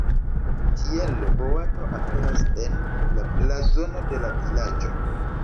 Tiele boato aperas en la blazono de la vilaĝo.